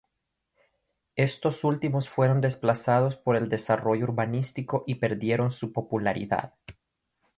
Estos últimos fueron desplazados por el desarrollo urbanístico y perdieron su popularidad.